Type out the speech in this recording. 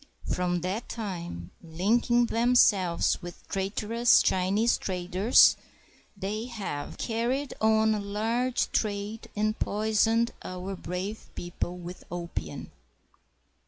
From that time, linking themselves with traitorous Chinese traders, they have carried on a large trade and poisoned our brave people with opium.